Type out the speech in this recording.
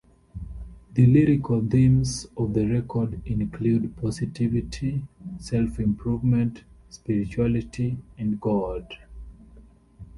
The lyrical themes of the record include positivity, self-improvement, spirituality, and God.